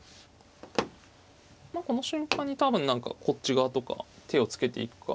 この瞬間に多分何かこっち側とか手をつけていくか。